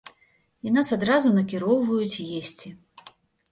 І нас адразу накіроўваюць есці.